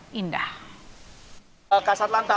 masih meninjau lokasi kecelakaan tunggal bus rosalia indah